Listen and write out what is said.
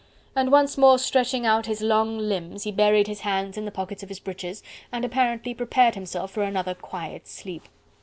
And once more stretching out his long limbs, he buried his hands in the pockets of his breeches and apparently prepared himself for another quiet sleep.